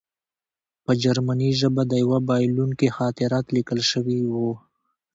په جرمني ژبه د یوه بایلونکي خاطرات لیکل شوي وو